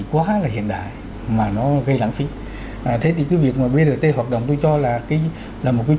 quá là hiện đại mà nó gây lãng phí thế thì cái việc mà brt hoạt động tôi cho là một cái